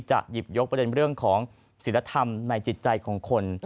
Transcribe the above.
หยิบยกประเด็นเรื่องของศิลธรรมในจิตใจของคน